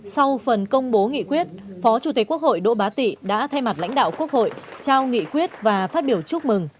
sau phần công bố nghị quyết phó chủ tịch quốc hội đỗ bá tị đã thay mặt lãnh đạo quốc hội trao nghị quyết và phát biểu chúc mừng